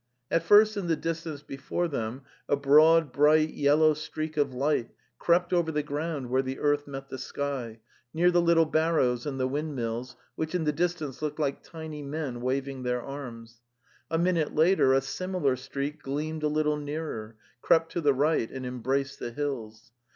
At first in the distance before them a broad, bright, yellow streak of light crept over the ground where the earth met the sky, near the little barrows and the wind mills, which in the distance looked like tiny men waving their arms. A minute later a similar streak gleamed a little nearer, crept to the right and em braced the hills.